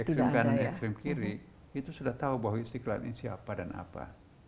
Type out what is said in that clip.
ekstrim kan ekstrim kiri itu sudah tahu bahwa istiqlal ini siapa dan apa